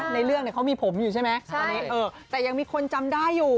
ในเรื่องเขามีผมอยู่ใช่ไหมแต่ยังมีคนจำได้อยู่